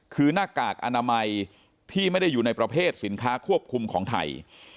คือหน้ากากอนามัยที่ไม่ได้อยู่ในประเภทสินค้าควบคุมของไทย